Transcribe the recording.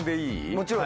もちろん。